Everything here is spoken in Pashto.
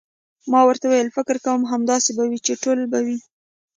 ما ورته وویل: فکر کوم، همداسې به وي، چې ټوله به وي.